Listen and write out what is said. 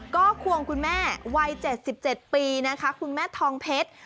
ก็ควงคุณแม่วัย๗๗ปีนะคะคุณแม่ทองเพชร